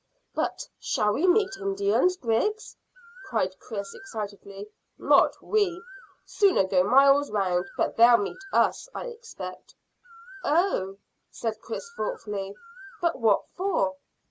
"But, shall we meet Indians, Griggs?" cried Chris excitedly. "Not we. Sooner go miles round; but they'll meet us, I expect." "Oh!" said Chris thoughtfully. "But what for?"